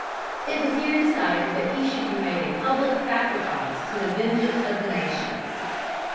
It was here decided that he should be made a public sacrifice to the vengeance of the nation.